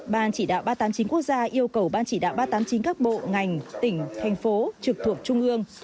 ban chỉ đạo ba trăm tám mươi chín quốc gia yêu cầu ban chỉ đạo ba trăm tám mươi chín các bộ ngành tỉnh thành phố trực thuộc trung ương